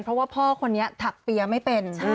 เพราะว่าพ่อคนนี้ถักเปียร์ไม่เป็น